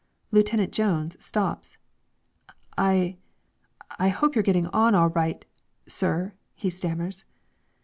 Lieutenant Jones stops. "I I hope you're getting on all right sir," he stammers.